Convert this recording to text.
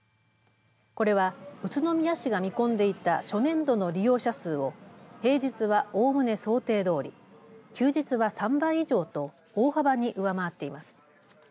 これは宇都宮市が見込んでいた初年度の利用者数を平日はおおむね想定通り休日は３倍以上と大幅に上回っています。